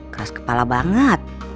keras kepala banget